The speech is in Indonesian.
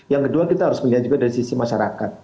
yang kedua kita harus melihat juga dari sisi masyarakat